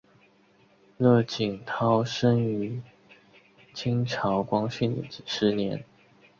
乐景涛生于清朝光绪十年。